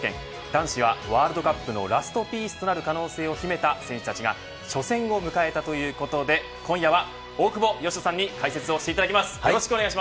男子はワールドカップのラストピースとなる可能性を秘めた選手たちが初戦を迎えたということで今夜は大久保嘉人さんに解説をしていただきます。